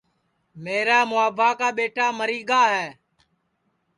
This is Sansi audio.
میرا مُوابھا کا ٻیٹا مری گا ہے